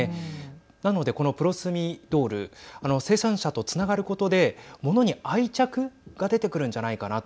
なので、このプロスミドール生産者とつながることでものに愛着が出てくるんじゃないかなと。